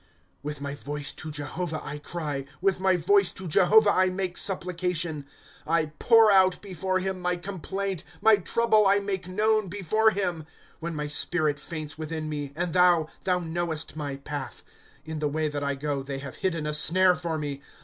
' With my voice to Jehovah I cry ; With my voice to Jehovah I make supplication ;^ I pour out before him my complaint My trouble I make known before him ;^ When my spirit faints within me, And thou, thou knowesfc my path. In the way that I go they have hidden a snare for me.